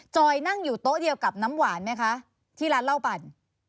นั่งอยู่โต๊ะเดียวกับน้ำหวานไหมคะที่ร้านเหล้าปั่น